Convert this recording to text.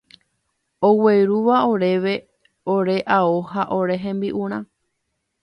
oguerúva oréve ore ao ha ore rembi'urã